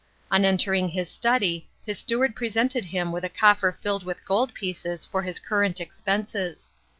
On entering his study his steward presented him with a coffer filled with gold pieces for his current expenses.